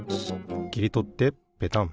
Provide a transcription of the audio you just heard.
きりとってペタン。